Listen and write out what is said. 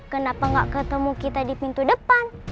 kenapa gak ketemu kita di pintu depan